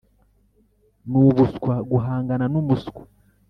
nubuswa guhangana numuswa